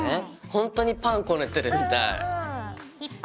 ほんとにパンこねてるみたい。